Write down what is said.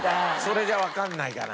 それじゃわかんないかな。